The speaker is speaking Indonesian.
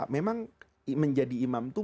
memang menjadi imam itu